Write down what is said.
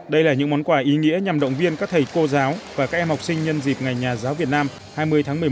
đây là những món quà ý nghĩa nhằm động viên các thầy cô giáo và các em học sinh nhân dịp ngày nhà giáo việt nam hai mươi tháng một mươi một